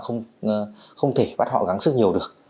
đương nhiên họ không thể bắt họ gắn sức nhiều được